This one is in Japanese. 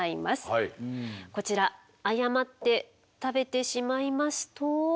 こちら誤って食べてしまいますと。